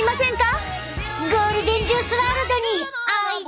ゴールデンジュースワールドにおいで！